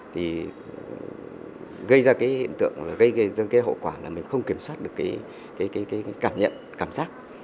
thì gây ra cái hiện tượng là gây ra cái hậu quả là mình không kiểm soát được cái cảm nhận cảm giác